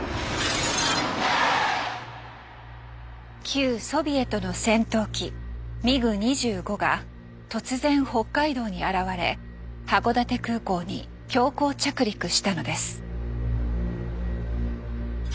旧ソビエトの戦闘機ミグ２５が突然北海道に現れ函館空港に強行着陸したのです。